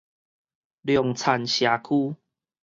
龍田社區